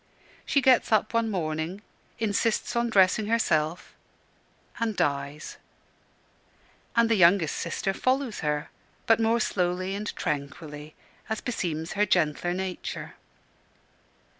She gets up one morning, insists on dressing herself, and dies; and the youngest sister follows her but more slowly and tranquilly, as beseems her gentler nature.